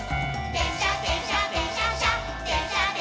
「でんしゃでんしゃでんしゃっしゃ」